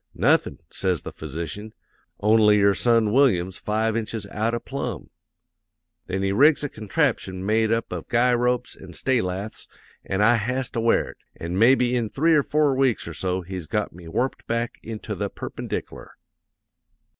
"'"Nothin'," says the physician, "only your son Willyum's five inches out o' plumb." "'Then he rigs a contraption made up of guy ropes an' stay laths, an' I has to wear it; an' mebby in three or four weeks or so he's got me warped back into the perpendic'lar.'